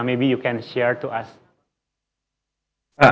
mungkin anda bisa berbagi kepada kami